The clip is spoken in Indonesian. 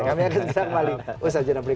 kami akan terserah kembali